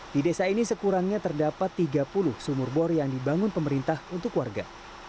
di desa ini sekurangnya terdapat tiga puluh sumur bor yang dibangun pemerintah untuk warga